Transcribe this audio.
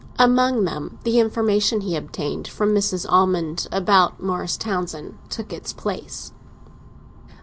Among them the information he obtained from Mrs. Almond about Morris Townsend took its place.